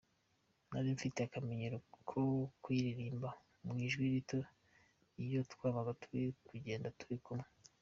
Nari mfite akamenyero ko kuyiririmba mu ijwi rito iyo twabaga turi kugenda turi kumwe.